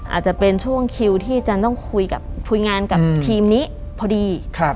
อาจจะเป็นช่วงคิวที่จันต้องคุยกับคุยงานกับทีมนี้พอดี